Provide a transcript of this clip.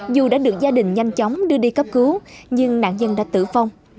dù đã được gia đình nhanh chóng đưa đi cấp cứu nhưng nạn nhân đã tử vong